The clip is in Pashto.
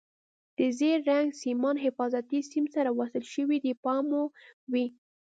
د زیړ رنګ سیمان حفاظتي سیم سره وصل شوي دي پام مو وي.